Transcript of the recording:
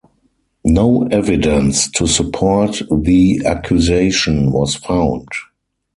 No evidence to support the accusation was found.